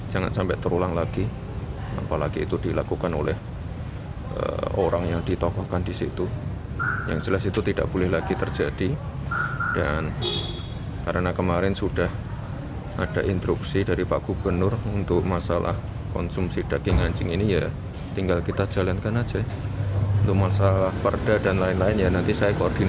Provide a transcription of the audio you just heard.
jangan sampai terulang lagi